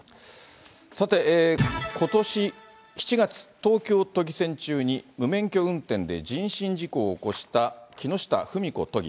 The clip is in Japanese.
さて、ことし７月、東京都議選中に無免許運転で人身事故を起こした木下富美子都議。